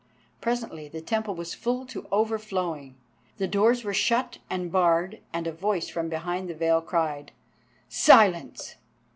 Presently the Temple was full to overflowing, the doors were shut and barred, and a voice from behind the veil cried: "_Silence!